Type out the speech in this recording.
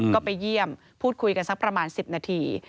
ก็ไปเยี่ยมพูดคุยกันสักประมาณ๑๐นาที